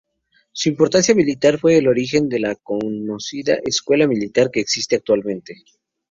Su importancia militar fue el origen de la conocida escuela militar que existe actualmente.